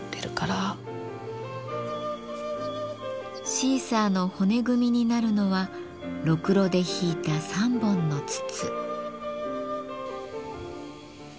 シーサーの骨組みになるのはろくろでひいた３本の筒。